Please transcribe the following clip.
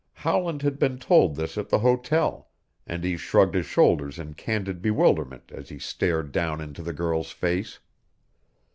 Howland had been told this at the hotel, and he shrugged his shoulders in candid bewilderment as he stared down into the girl's face.